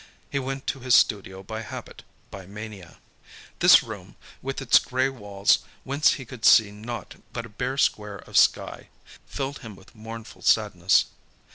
He went to his studio by habit, by mania. This room, with its grey walls, whence he could see naught but a bare square of sky, filled him with mournful sadness.